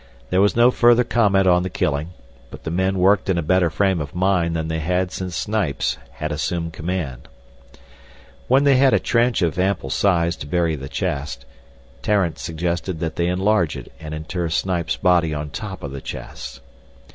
There was no further comment on the killing, but the men worked in a better frame of mind than they had since Snipes had assumed command. When they had a trench of ample size to bury the chest, Tarrant suggested that they enlarge it and inter Snipes' body on top of the chest.